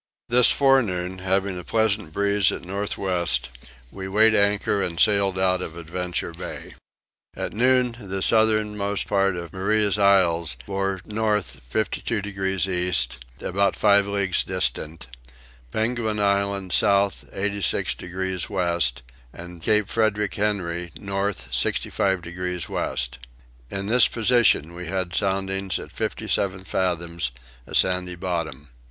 This forenoon, having a pleasant breeze at north west, we weighed anchor and sailed out of Adventure Bay. At noon the southernmost part of Maria's Isles bore north 52 degrees east, about five leagues distant; Penguin Island south 86 degrees west; and Cape Frederick Henry north 65 degrees west. In this position we had soundings at 57 fathoms, a sandy bottom.